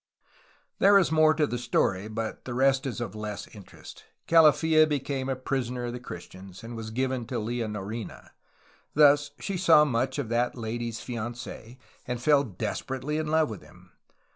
There is more to the story, but the rest is of less interest. Calafia became a prisoner of the Christians, and was given to Leonorina. Thus, she saw much of that lady's fianc6, and fell desperately in love with him.